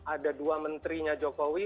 ada dua menterinya jokowi